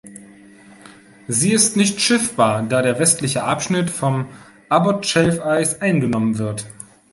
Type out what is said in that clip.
Sie ist nicht schiffbar, da der westliche Abschnitt vom Abbot-Schelfeis eingenommen wird.